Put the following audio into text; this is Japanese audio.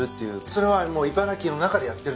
それは茨城の中でやってるんですか？